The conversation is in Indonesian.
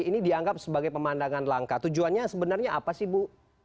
ini dianggap sebagai pemandangan langka tujuannya sebenarnya apa sih bu